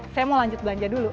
saya mau lanjut belanja dulu